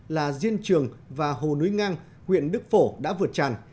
là diên trường và hồ núi ngang huyện đức phổ đã vượt tràn